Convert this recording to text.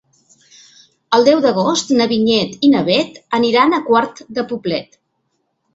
El deu d'agost na Vinyet i na Bet aniran a Quart de Poblet.